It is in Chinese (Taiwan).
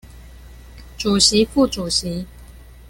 主席副主席